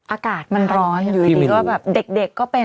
อากาศมันร้อนอยู่ดีก็แบบเด็กก็เป็น